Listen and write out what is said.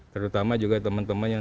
terutama juga teman teman yang